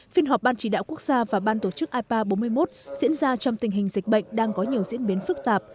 phiên họp ban chỉ đạo quốc gia và ban tổ chức ipa bốn mươi một diễn ra trong tình hình dịch bệnh đang có nhiều diễn biến phức tạp